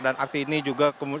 dan aksi ini juga